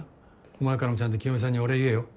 お前からもちゃんと清美さんにお礼言えよ。